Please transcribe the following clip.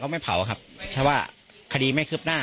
กลุ่มวัยรุ่นกลัวว่าจะไม่ได้รับความเป็นธรรมทางด้านคดีจะคืบหน้า